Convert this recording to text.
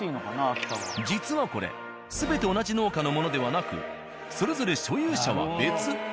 実はこれ全て同じ農家のものではなくそれぞれ所有者は別。